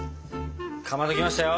かまどきましたよ。